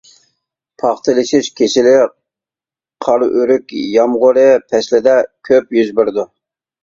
پاختىلىشىش كېسىلى قارىئۆرۈك يامغۇرى پەسلىدە كۆپ يۈز بېرىدۇ.